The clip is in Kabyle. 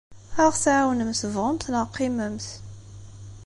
Ad aɣ-tɛawnemt, bɣumt neɣ qqimemt.